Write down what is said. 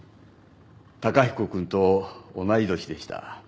崇彦くんと同い年でした。